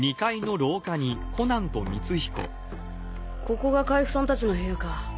ここが海部さん達の部屋か。